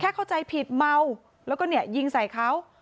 เข้าใจผิดเมาแล้วก็เนี่ยยิงใส่เขา